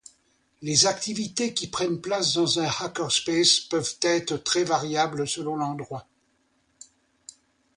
Les activités qui prennent place dans un hackerspace peuvent être très variables selon l'endroit.